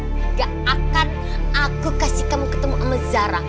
nggak akan aku kasih kamu ketemu sama zara